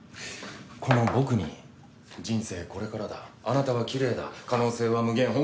この僕に「人生これからだ」「あなたはきれいだ」「可能性は無限」